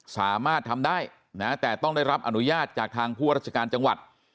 สามารถทำได้นะแต่ต้องได้รับอนุญาตจากทางผู้ราชการจังหวัด